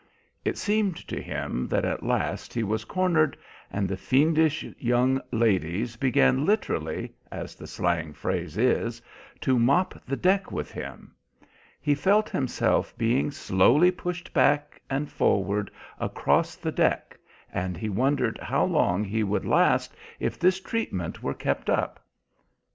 It seemed to him that at last he was cornered, and the fiendish young ladies began literally, as the slang phrase is, to mop the deck with him. He felt himself being slowly pushed back and forward across the deck, and he wondered how long he would last if this treatment were kept up.